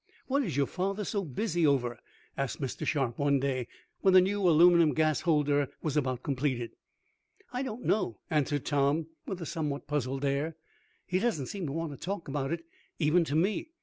"What is your father so busy over?" asked Mr. Sharp one day, when the new aluminum gas holder was about completed. "I don't know," answered Tom, with a somewhat puzzled air. "He doesn't seem to want to talk about it, even to me.